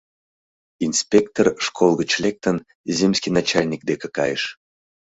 Инспектор, школ гыч лектын, земский начальник деке кайыш.